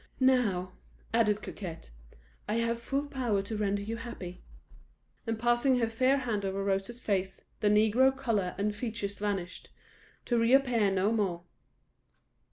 "Now," added Coquette, "I have full power to render you happy;" and passing her fair hand over Rose's face, the negro colour and features vanished to reappear no more.